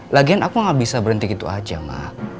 lagian aku gak bisa berhenti gitu aja mak